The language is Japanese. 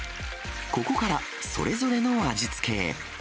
ここから、それぞれの味付けへ。